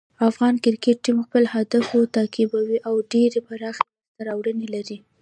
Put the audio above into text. افغان کرکټ ټیم خپل هدفونه تعقیبوي او ډېرې پراخې لاسته راوړنې لري.